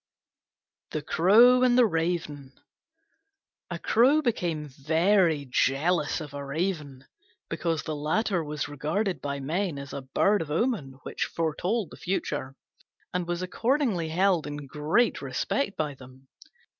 THE CROW AND THE RAVEN A Crow became very jealous of a Raven, because the latter was regarded by men as a bird of omen which foretold the future, and was accordingly held in great respect by them.